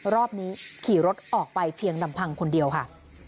รอบนี้ขี่รถออกไปเพียงลำพังคนเดียวค่ะ